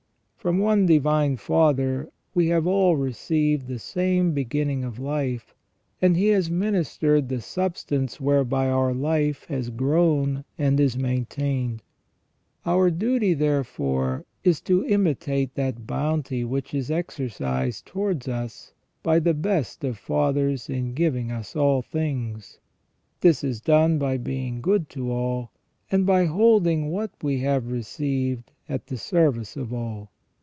From one Divine Father we have all received the same beginning of life, and He has ministered the substance whereby our life has grown and is maintained. Our duty, therefore, is to imitate that bounty which is exercised towards us by the best of fathers in giving us all things. This is done by being good to all, and by holding what we have received at the service of all.